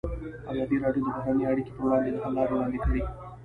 ازادي راډیو د بهرنۍ اړیکې پر وړاندې د حل لارې وړاندې کړي.